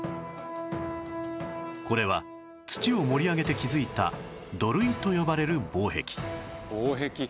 これは土を盛り上げて築いた土塁と呼ばれる防壁「防壁」